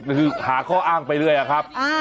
คือหาข้ออ้างไปเรื่อยอะครับ